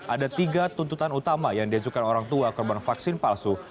ada tiga tuntutan utama yang diajukan orang tua korban vaksin palsu